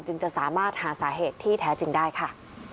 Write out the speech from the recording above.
จะสามารถหาสาเหตุที่แท้จริงได้ค่ะ